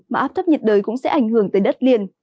mà áp thấp nhiệt đới cũng sẽ ảnh hưởng tới đất liền